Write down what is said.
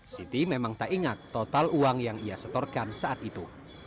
siti memang tak ingat total uang yang ia setorkan saat itu